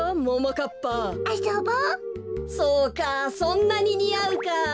そうかそんなににあうか。